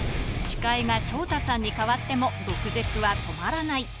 司会が昇太さんに変わっても、毒舌は止まらない。